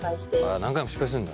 何回も失敗するんだ。